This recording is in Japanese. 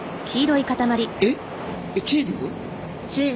えっチーズ？